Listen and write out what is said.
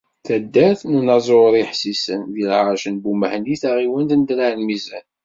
Taddart n unaẓuri Ḥsisen, deg lɛerc n Bumahni taɣiwant n Draɛ Lmizan.